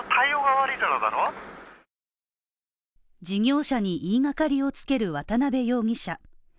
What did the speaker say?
事業者に言いがかりをつける渡辺容疑者。